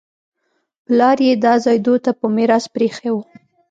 پلار یې دا ځای دوی ته په میراث پرېښی و